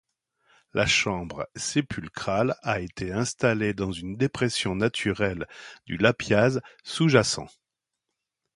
La chambre sépulcrale a été installée dans une dépression naturelle du lapiaz sous-jacent.